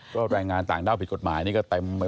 ก็แรงงานต่างด้าวผิดกฎหมายนี่ก็เต็มไป